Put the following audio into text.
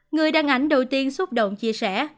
người đăng ảnh đầu tiên xúc động chia sẻ